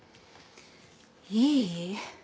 いい？